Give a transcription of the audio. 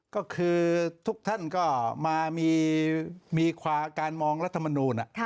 ก็คือทุกท่านก็มามีความการมองรัฐมนูล